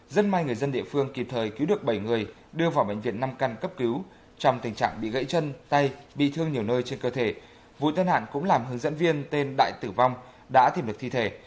rất may người dân địa phương kịp thời cứu được bảy người đưa vào bệnh viện năm căn cấp cứu trong tình trạng bị gãy chân tay bị thương nhiều nơi trên cơ thể vụ tai nạn cũng làm hướng dẫn viên tên đại tử vong đã tìm được thi thể